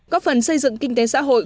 có phần xây dựng kinh tế xã hội